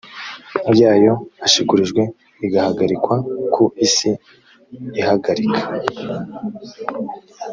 yayo ashikurijwe igahagarikwa ku isi ihagarika